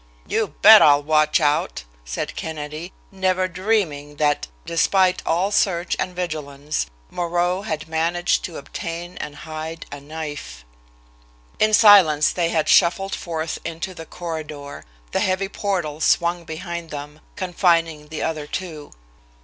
"You bet I'll watch out," said Kennedy, never dreaming that, despite all search and vigilance, Moreau had managed to obtain and hide a knife. In silence they had shuffled forth into the corridor. The heavy portal swung behind them, confining the other two.